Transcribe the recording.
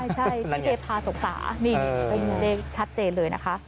ใช่พี่เทพาสกตานี่เป็นเลขชัดเจนเลยนะคะ